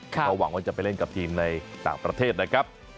ก็หวังว่าจะไปเล่นกับทีมในต่างประเทศนะครับ